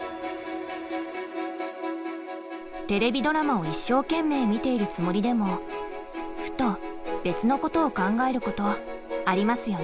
テレビドラマを一生懸命見ているつもりでもふと別のことを考えることありますよね。